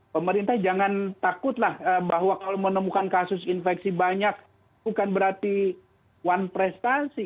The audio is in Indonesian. pemerintah jangan takutlah bahwa kalau menemukan kasus infeksi banyak bukan berarti one prestasi